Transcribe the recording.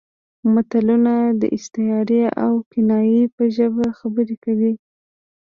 متلونه د استعارې او کنایې په ژبه خبرې کوي